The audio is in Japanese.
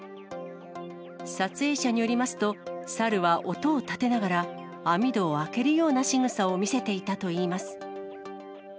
撮影者によりますと、サルは音を立てながら、網戸を開けるようなしぐさを見せていたといいます。